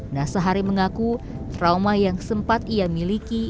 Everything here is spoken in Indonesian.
nasahari mengaku trauma yang sempat ia miliki